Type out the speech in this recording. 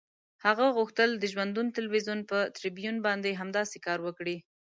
هغه غوښتل د ژوندون تلویزیون پر تریبیون باندې همداسې کار وکړي.